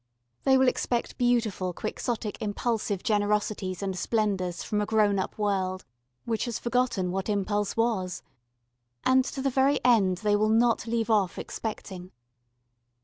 They will expect beautiful quixotic impulsive generosities and splendours from a grown up world which has forgotten what impulse was: and to the very end they will not leave off expecting.